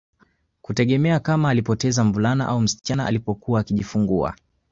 Kutegemea kama alipoteza mvulana au msichana alipokuwa akijifungua